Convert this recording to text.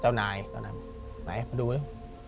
ไหนมาดูนี้